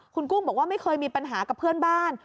คุณกุ้งบอกว่าไม่เคยมีปัญหากับเพื่อนบ้าน